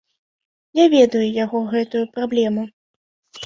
Я ведаю яго гэтую праблему.